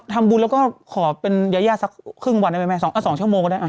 ทำบุญแล้วก็ขอเป็นยายาสักครึ่งวันได้ไหมแม่๒ชั่วโมงก็ได้